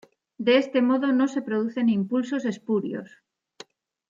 De este modo no se producen impulsos espurios.